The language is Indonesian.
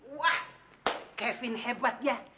wah kevin hebat ya